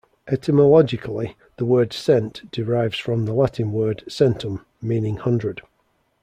Etymologically, the word "cent" derives from the Latin word "centum" meaning hundred.